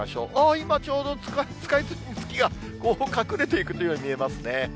今、ちょうどスカイツリーに月が隠れていくように見えますね。